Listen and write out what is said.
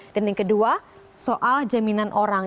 dan yang kedua soal jaminan orang